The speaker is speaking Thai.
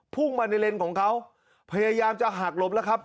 พุ่งมาในเลนของเขาพยายามจะหักหลบแล้วครับ